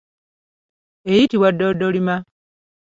Eyitibwa ddoddolima.